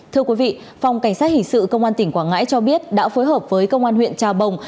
thưa quý vị phòng cảnh sát hình sự công an tỉnh quảng ngãi cho biết đã phối hợp với công an huyện trà bồng